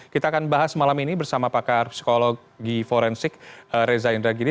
kita akan bahas malam ini bersama pakar psikologi forensik reza indragiri